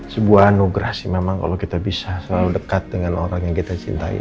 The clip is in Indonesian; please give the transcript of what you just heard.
sebuah anugerah sih memang kalau kita bisa selalu dekat dengan orang yang kita cintai